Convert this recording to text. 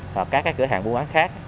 hoặc các cửa hàng buôn bán khác